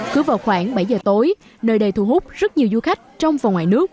cứ vào khoảng bảy giờ tối nơi đây thu hút rất nhiều du khách trong và ngoài nước